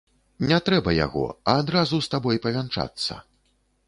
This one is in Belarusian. Не трэба яго, а адразу з табой павянчацца.